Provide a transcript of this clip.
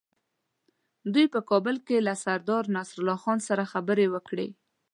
دوی په کابل کې له سردار نصرالله خان سره خبرې وکړې.